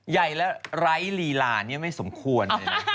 ใหญ่แล้วไร้รีลานี่ไม่สมควร